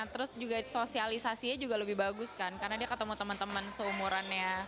terus juga sosialisasinya juga lebih bagus kan karena dia ketemu teman teman seumurannya